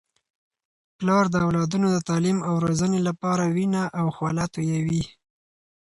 پلار د اولادونو د تعلیم او روزنې لپاره خپله وینه او خوله تویوي.